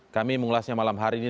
kami mengulasnya malam hari ini